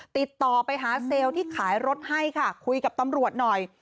ติดต่อไปหาเซลล์ที่ขายรถให้ค่ะคุยกับตำรวจหน่อย